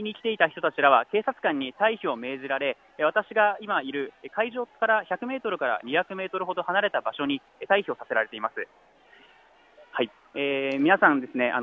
現地では話を聞きに来ていた人たちは警察官に退避を命ぜられ私が今いる会場から１００メートルから２００メートル離れた場所に退避させられています。